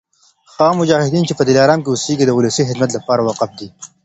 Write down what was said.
هغه مجاهدین چي په دلارام کي اوسیږي د ولسي خدمت لپاره وقف دي